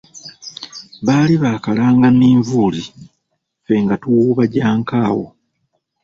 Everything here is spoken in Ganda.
Baali bakalanga minvuuli, Ffe nga tuwuuba gya nkaawo.